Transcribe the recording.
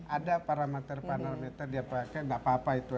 ada parameter parameter dia pakai gak apa apa itu